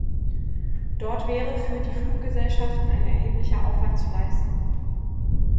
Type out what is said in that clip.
Dort wäre für die Fluggesellschaften ein erheblicher Aufwand zu leisten.